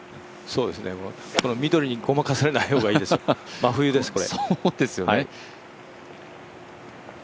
緑にごまかされない方がいいですよ、真冬です、これ。